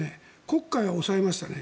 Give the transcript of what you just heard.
黒海は押さえましたね。